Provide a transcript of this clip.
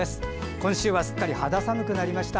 今週はすっかり肌寒くなりました。